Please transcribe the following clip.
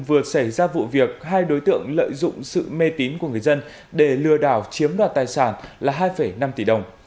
vừa xảy ra vụ việc hai đối tượng lợi dụng sự mê tín của người dân để lừa đảo chiếm đoạt tài sản là hai năm tỷ đồng